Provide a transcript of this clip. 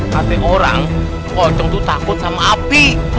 hati orang pocong itu takut sama api